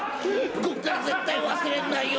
こっから絶対忘れないよ